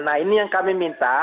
nah ini yang kami minta